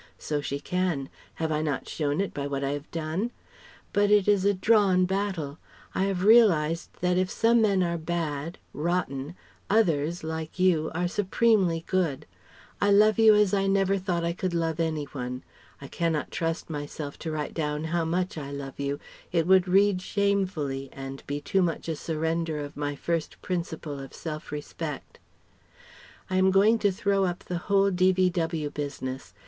So she can have I not shown it by what I have done? But it is a drawn battle. I have realized that if some men are bad rotten others, like you are supremely good. I love you as I never thought I could love any one. I cannot trust myself to write down how much I love you: it would read shamefully and be too much a surrender of my first principle of self respect. "I am going to throw up the whole D.V.W. business.